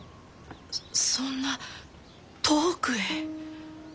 そんな遠くへ？